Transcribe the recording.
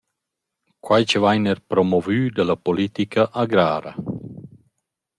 Quai chi vain eir promovü da la politica agrara.